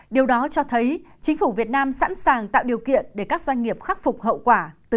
điều đó cho thấy chính phủ việt nam sẵn sàng tạo điều kiện để các doanh nghiệp khắc phục hậu quả